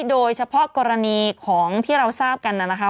โดยเฉพาะกรณีของที่เราทราบกันนะคะ